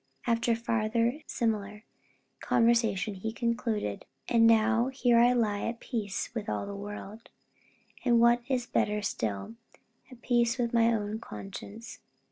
After farther similar conversation he concluded, "And now here I lie at peace with all the world, and what is better still, at peace with my own conscience.